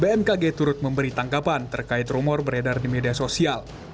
bmkg turut memberi tangkapan terkait rumor beredar di media sosial